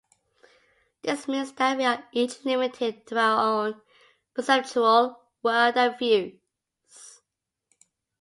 This means that we are each limited to our own perceptual world and views.